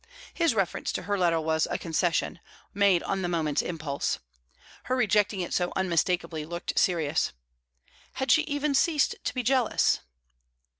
His reference to her letter was a concession, made on the moment's impulse. Her rejecting it so unmistakably looked serious. Had she even ceased to be jealous?